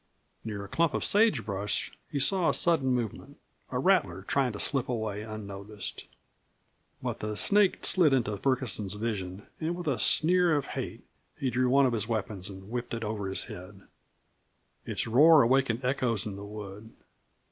Near a clump of sage brush he saw a sudden movement a rattler trying to slip away unnoticed. But the snake slid into Ferguson's vision and with a sneer of hate he drew one of his weapons and whipped it over his head, its roar awakening echoes in the wood.